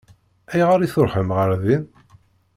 Ayɣer i tṛuḥem ɣer din?